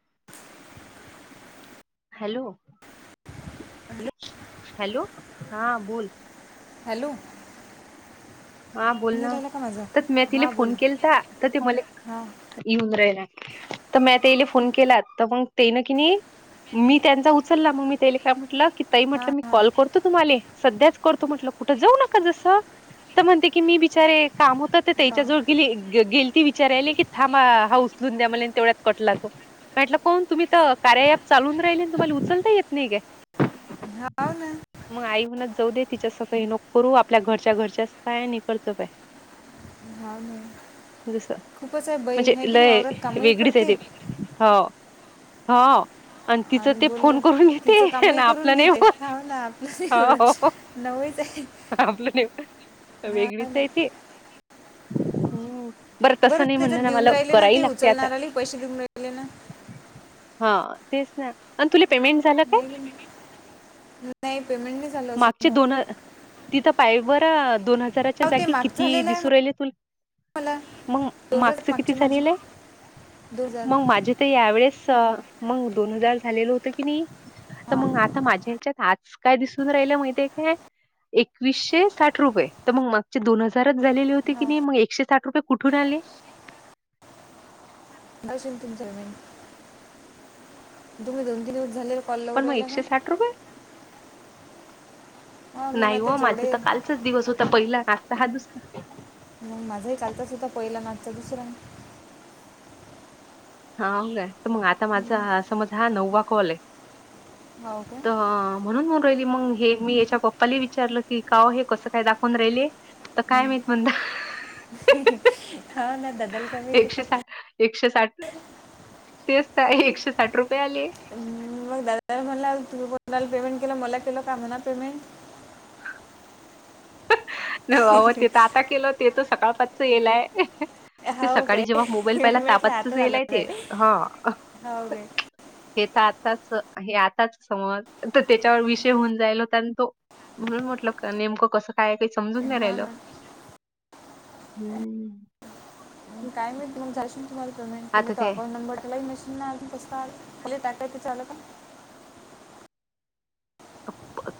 [inaudible] Hello hello hello हा बोल hello हा बोल नाही ना राहिला का माझा तर मी तिला हा बोल फोन केलता तर ते मला हा येऊन राहिला तर म ते फोन केलात तर मग तेन की नाही मी त्यांचा उचलला मग मी त्याले काय म्हटलं की तही हा म्हटलं मी हा कॉल करतो तुम्हाला सध्याच करतो म्हटलं कुठं जाऊ नका जसं म्हणते की मी बिचारे काम होत ते हा त्याच्या जवळ गे गेली विचाराय की थांबा हासून द्या तेव्यात कटला तो म्हट कोण तुमही कार चालून राहिले तुम्हाला उचलता येत नाही का हव ना म्ह जाऊ दे तिच्या सगळी नोक करू आपल्या घरच्या घरच्याच काय निकडचं काय हा. जस म्हणजे लय कामही वेगळीच आहे करते ते हो. हा. आणि तिचं ते फोन करून तिचं घेते कामही ना करून आपलं नाही घेते हाव ना आपलं नाही बोलत ब. नवईच आहे आपलं न हा वेगळीच ना आहे ते हम्. बरं तसं नाही म्हणण त्याच्यात ना देऊन मला राहिले ना कराय ते लागते आता. उचलणाराले पैसे देऊन राहिले ना हा तेच ना आणि तुला पेमेंट झा का नाही की नाही? नाही पेमेंट नाही झालं अजून माग दोन तिथं पाय बर दोन हजाराच्या हाव ते जागी माग किती झालेलं आहे दिसू राहिल तु. मला मग दोन हजार मागचं किती मागचे माझे झालेलं आहे दोन हजार मग माझे तर यावेळेस मग दोन हजार झालेलं होतं की नाही तर हां मग आता माझ्या ह्याच्यात आज काय दिसून राहिला माहितीय काय एकवीसशे साठ रुपये तर मग मागचे दोन हजार. झा होती की हां नाही मग एकशे साठ रुपये कुठून आले. नवशन तीन चार मन तुम्ही दोन तीन दिवस झाले. कॉलवर पण मग राहिला का एकशे साठ रुपये. हा मग नाही आता हो माझ जेवढे तर कालचाच दिवस होता पहिला काचा हा दुसरा- सबुसरण. हा का तर मग आता माझा समज हा नववा कॉल आहे. हो का तर म्हणून मला. हिली मग हे मी याच्या गप्पाला विचारलं की काओ हे कसं काय दाखवून राहिले. तर काय हम् माहीत म्हणता. हा ना बदल कमी तता. एकशे साठ र तेच का आहे एकशे साठ रुपय. मग दादा म्हणला तुण पेमेंट केलं मला केलं का म्हणा पेमेंट. बाव ते तर आता केलं ते तर सकाळ पाचच येलाय. ते हो काय सकाळी जेव्हा मोबाईल पहिला म्हटलं तापतचच आता झालं येलय ते काय हा. हो काय हे तर आताच हे आताच समज तर त्याच्यावर विषय होऊन जायला होता आणि तो म्हणून म्हटलं का नेमकं कसं. काय काही समजून नाही हा राहिलं ना हम्म. तेच काय ना. मिळ मगयशे तुम्हा पेमेंट तुम्ही आता ते अकाउं नंबरला म. तस का खली टाटय ते आल का.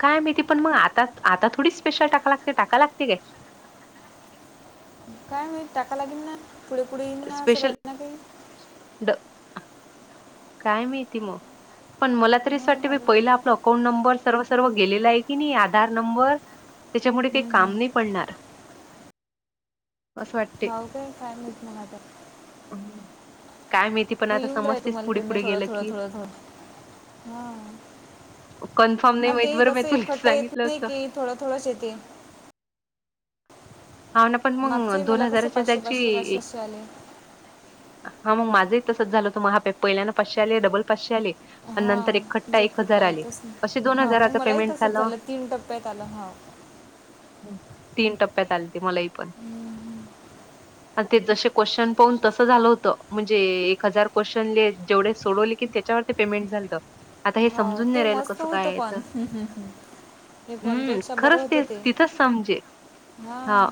काय माहिती पण मग आता आता थोडी स्पेशल टाका लागते टाका लागते काय. काय नाही टाका लागेन ना पुढे पुढे येईन ना असं स्पेशल बाई ना काही. ड काय माहिहती मग पण मला तरी मग वाटत अजून पहिला आपला अकाउंट नंबर. सर्व सर्व गेले आहे की नाही आधार नंबर त्याच्यामुळे ते हम्म, हम्म. काम नाही पडणार. असं वाटते. होऊ काय काय म्हणत मग आता. काय मिहिहती पण हो आता येऊन राहील समजतेस पुढे पुढे गेलं की. हम्म! कन्फर्म नाही आणि माहित ते बरं मी तस तुलाच इखटठा येत सांगितलं नाही असं. कि थोडं थोडं शेती हा ना पण मग दोन मला कसं हजाराच्या पाचशे पाचशे जागची. पाचशे पाचशे आले हा मग माझं तसच झालं तु मग हा पहिल्याना पाशे आले डबल पाचशे आले. नंतर एक हां खट्टा जे एक इखट्टा हजार आली येतच नाही अस दोन हां मग हारा मलाही पेमेंट तसंच झालं. तीन टप्प्यात आलं हाव तीन टप्प्यात आलीते मलाही पण. ते जसे क्वेश्चन पाहून तसं झालं होतं म्हणजे एक हजार क्वेश्चन जेवढे सोडवले की त्या पेमेंट झा आ हे हाव समून ते रा मस्त कस होतं काय. पण हे हम्म फोनपेक्षा बरं खरंच ते होतं तिथंच समजे हा. हां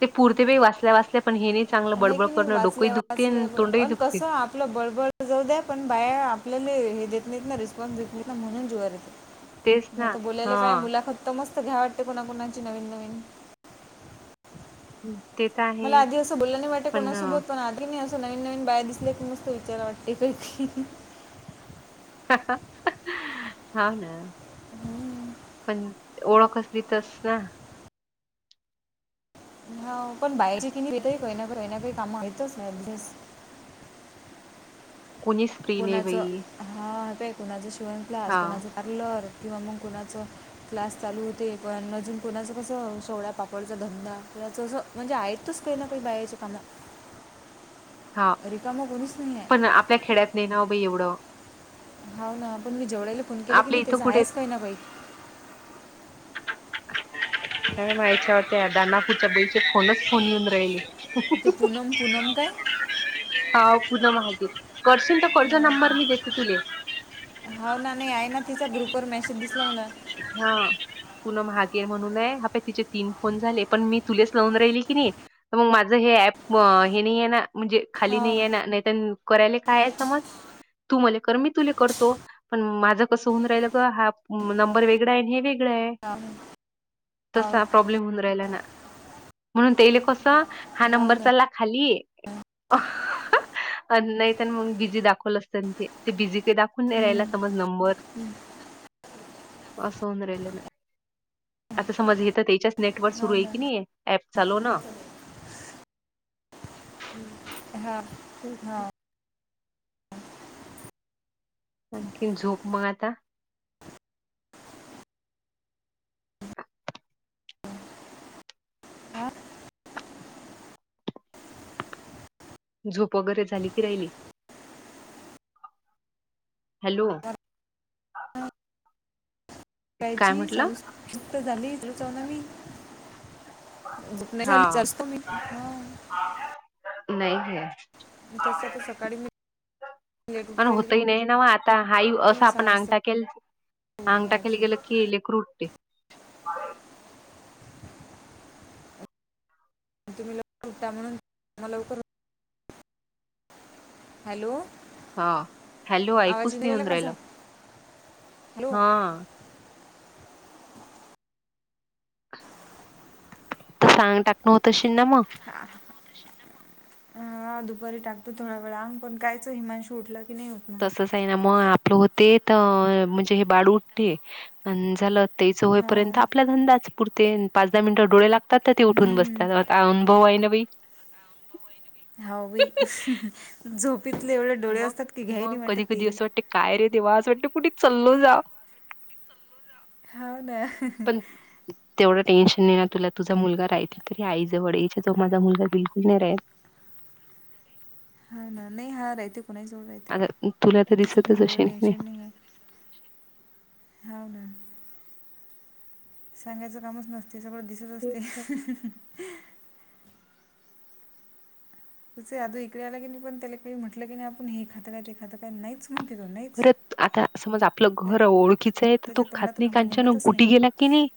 ते पुरते प वाचल्या वाचल्या. पण हे नाही चांगलं हे बडबड की नाही करणं वाचले डोकंही दुखते वाचले आणि तोंडही दुखते. कस आपलं बळबळ जाऊ द्या पण बाहेर आपल्या. देत नाहीत ना रिस्पॉन्सेत म्हणून जु य तेच ना आता बोलायला काय हा मुलाखत मस्त. सगळ्या वाटते कुणाकुणाची नवीन नवीन. हम्म. मला आधी असं बोल्ल नाही वाटे कोणासोबत पण आधी मी अस नवीन नवीन बाया दिसल्या की मस्त विचाराव वाटतय का हा ना. हम्म. पण ओळख असली तस ह पण बाहे [unintelligible] कोणीच फ्री नाही कोणाचं बाई हा तय कोणाच शिवण क्लास हा कोणाच पार्लर. किंवा म कोणाचं क्लास चालू होते पण अजून कोणाचं कसं सोवळ्या पापडच धंदा ल्या तसं म्हणजे आहेतच काही ना काही बाहेरच्या काम हा नाही पण आहे आपल्या खेड्यातनि ना बाई एवढं हाव ना पण मी जेवड्यायला फोन केले कनि आपल्या इथं त्याच कुठे आहेच काही ना बाई. अ म येच्यावर त्या दनापूच्या बईचे फोनच फोन येऊन राहिले. ते पुनम पुनम काय? पुनम महागे करशील तर कोणचा हा नंबर काय मी देते तुले. हो ना नाही आहे ना तिचा ग्रुपर मेसेज दिसला मला. हा पुनम हागे म्हणूनय हा पाय तिचे तीन फोन झाले पण मी तुलेच लावून राहिली. किनी तर म माझं हे ऍप हे नाही ये ना म्हणजे खाली हा नाही ये ना नाहीत करायले काय आहे समज तू मले कर मी तुले करतो पण माझ कसं होऊन राहिलं ग हा नं बर वेगडाय नि हे वेगळाय हा हा तसा प्रॉब्लेम होऊन राहिला ना. म्हणून तेले कस हा हो नंबर ना चाल्ला खाली. अनं नाही तन मग बिझी दाखवल असतन ते बिझी ते दाखवून नाही राहिला हम्म, समज नंबर हम्म, अस होन राहिलेला. आता समज हे तर तेच्याच नेटवर हो सुरू हाय ना कनि ऍप चालो ना हम्म. हां हा. आणखीन झोप मग आता. [unintelligible] झोप वगैरे झाली की राहिली? हॅलो. हा [unintelligible] काय म्हटलं झाली. तल चवना मी. [unintelligible] हा मी हां. नाही हे तस तर सकाडी मी लेट पण उठलेली होतय नई नव आता हाई असं मी सहा आपण अंगठा वाजता केल उठले आंगटा आज केेली आणि गेलं की लेकरू उठतय. तुम्ही लवकर उठता म्हणून लवकर, हॅलो. हा हॅलो आवाज ऐकूच नाही राहिला येऊन का माझा राहिलं. हॅलो हां. सांगतात ना तश हा. हा दुपारी टाकतो थोडा वेळा अंग पण कायच हिमांशू उठलाय. तसच आहे ना मग आपलं होते त म्हणजे हे बाड उठते अ झालं तेच हो होईपर्यंत आपला धंदाच पुरते पाच दहा मिनटं डोळे लाग तात ते उठून हम्म. बसतात. अ अनुभव आहे ना बाई. हा बाई झोपतले एवढे डोळे मग असतात की घ्याय नाई वाटत तेले. देवास वाटते कुठे चल्लो जा. हाव ना. पण तेवढं टेन्शन नाही ना तुला तुझा मुलगा राइति तरी आईजवळ येचिचो माझा मुलगा बिलकुल नाही राईत. [inaudible] हा ना नाही हारयते. आता तुला तर दिसतच एवढं अशिन खने. टेन्शन नाही आहे हाव ना. सांगायचं कामच नसते सगळं दिसत असते. तेच तुचे आधू इकडे आला की नाही पण त्याला काही म्हटलं की नाही आपण हे खातं काय ते खातं काय नाहीचं. परत आता समज आपलं त्यात घर ओळखीचं आहे तर त्याच्या तो खात तोंडातून नाही हो कच्यान निघतच नाही कुठे गेला की नाही.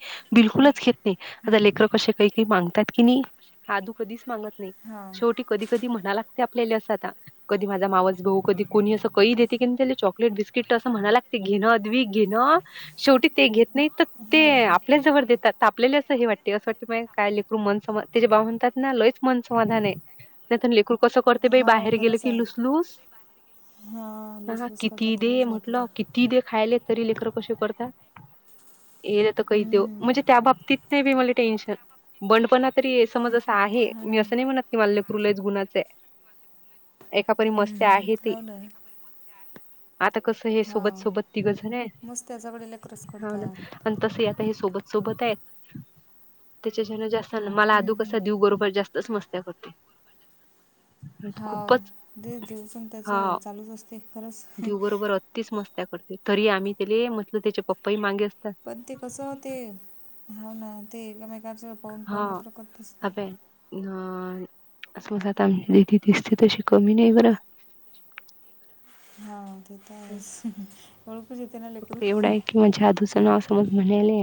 हं. बिलकुलच घेत नाही आता हं. लेकर कसे काही काही मागतात कि नाही आदू कधीच मागत नाही हा शेवटी कधी कधी म्हणाला ते आपल्या असं आता कधी माझा मावस भाऊ कधी कोणी असं कही देते की त्या चॉकलेट बिस्किट असं म्हणाय लागते घेणं अद्विक घेंना शेवटी ते घेत नाही तर ते हो काय आपल्याच जवळ देतात तापलेले असं हे वाटते असं वाटते म काय लेकरून मन समा तेे बाह म्हणतात ना लयच मन समाधान आहे नाहीत लेकरु कसं करते बाई हो बाहेर गेलं खरंच की आहे लुस लुस हा लुसलुस किती करतात दे खरंच म्हटलं बाकीचे किती दे खायले तरी लेकर कसे करतात ये तर कही देऊ हम्म. म्हणजे त्या बाबतीत नाही बी मला टेन्शन बंडपणा तरी समज आहे हा मी ना. असं नाही म्हणत की माझं लेकरू लईच गुणाच आहे एकापरी हम्म, मस्त आहे हम्म. ती हो ना हो आता कसं हे आता सोबत सोबत तिघझण आहे हे मस्त त्याच्याकडे लेकरच हा ना करतात आणि तस सोबत सोबत आहेत त्याच्याच्यान जास्त मला हम्म, आधू हम्म. कसा देऊ बरोबर जास्त तसं मस्त्या करते. हा खूपच दे दिवसण त्याच चालूच असते खरंच. दिव बरोबर अत्तीच मस्त्या करते तरी आम्ही तेले म्हटलं त्याचे पप्पाही मागे अस पण ते कस होते हाव ना ते का कुणाचं पाहून पाहून [inaudible] करतीस का अज आता आम दि तसते तशी कमी नाही बरं [unintelligible] हो ते तर आहेच गळप जेते ना लेकरू तो मग म्हनेले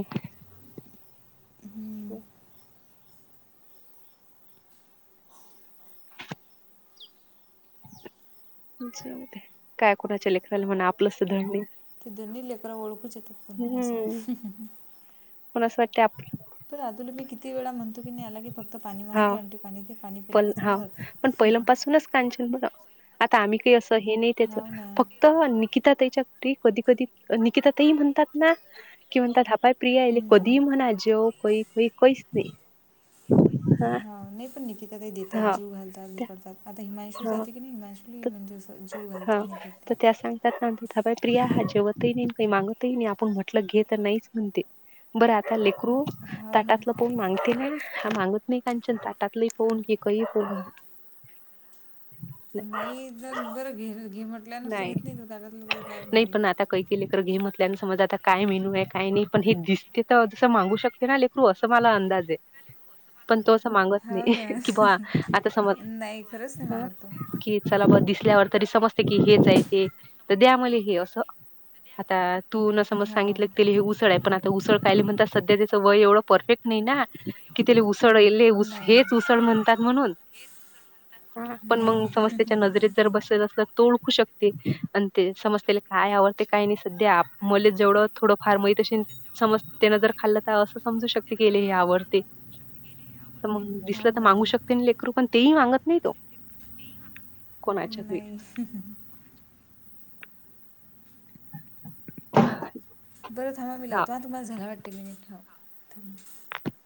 हम्म काय कुणाच्या लेकराला म्हणा आपलंच धड नाही ते दोन्ही लेकर ओळखूच येतात [inaudible] मणून असं वाटते आपलं पण अजूनला मी किती वेळा म्हणतो की नाही याला क फक्त पाणी हा मागते आण आणि पाणी ते पाणी पिला पण की हा चांला जाते पण पहिल्यापासूनच कांचन बरं आता आम्ही काही असं हे नाही त्याच हो ना फक्त निकिता त्याच्या घरी कधी कधी निकिता तेही म्हणतात ना की म्हणतात हा पाय प्रियाले हम्म. कधी म्हणा जेव कही कही कहीच नाही हा नाही पण निकिता काही देतात हा जीव घालतात त्या बिकडतात आता हिमांशु हा जाते की नाही हिमांशली म्हणजे अस जीव घालते नाही करते बाय प्रिया हा जेवतही नाही काही मागतही नाही आपण म्हटलं घे तर नाहीच म्हणते बरं आता क्रू हो ना ताटातलं पोन मागते ना मागत नाही काच्या ताटातलं हा पोन की काही पो नाही तर बरं घे घे म्हटल्या नुसत घेत नाही तू तटतलं काय म्हग घेमल्या समज आता काय मेनू आहे काय नाही पण हे दिसते तर तसं मागू शकते ना लेकरू असं मला अंदाज आहे पण तो असं मागत हाव नाही ना. की आता समज नाही खरंच नाही मागत तो. की चला ब ल्यावर तरी समजते की हेच आहे ते तर द्या म हे असं आता तू न समज हाव. सांगितलं क ते हे उसळ आहे पण उसळ काली म्हण सध्या त्याच वय एवढं परफेक्ट नाही ना की उसळलेस नाही. हेच उसळ म्हणतात म्हणून हा पण नाही. मग समज त्याच्या नजरेत जर बसलेल असलं तु ओळखू शकते आणि ते समजतेला काय आवडते काय नाही, सध्या आप मले जेवढं थोडं फार माहित समज त्यानं जर खाल्ल तर असं समजू शकते हेला हे आवडते तर मग दिसलं हाव तर ना. मागू शकते ना लेकरू पण तेही मागत नाही तो कोणाच्यात होईल हम्म हम्म [inaudible] बरं थांबा मी हा लावतो हं तुम्हाला झाला वाटते की नाही [unintelligible]